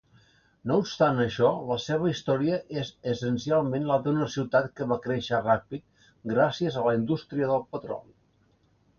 No obstant això, la seva història és essencialment la d'una ciutat que va créixer ràpid gràcies a la indústria del petroli.